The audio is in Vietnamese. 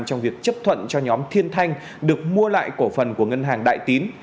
trong việc chấp thuận cho nhóm thiên thanh được mua lại cổ phần của ngân hàng đại tín